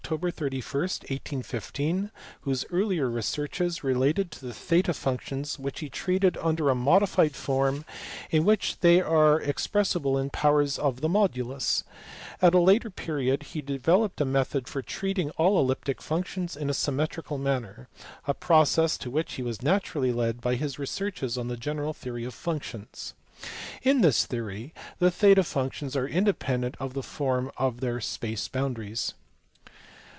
31, 1815, whose earlier researches related to the theta functions, which he treated under a modified form in which ELLIPTIC AND ABELIAX FUNCTIONS. 469 they are expressible in powers of the modulus : at a later period he developed a method for treating all elliptic functions in a symmetrical manner a process to which he was natur ally led by his researches on the general theory of functions (see below, pp. 471, 482); in this theory the theta functions are independent of the form of their space boundaries.